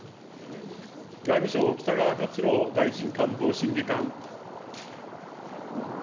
外務省、北川克郎大臣官房審議官。